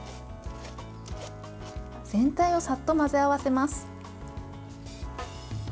全体をさっと混ぜ合わせます。